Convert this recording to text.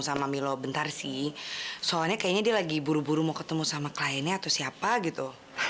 sama milo bentar sih soalnya kayaknya dia lagi buru buru mau ketemu sama kliennya atau siapa gitu